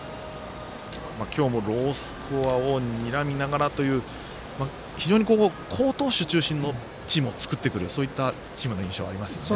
今日もロースコアをにらみながらという非常に好投手中心のチームを作ってくるそういったチームの印象ありますよね。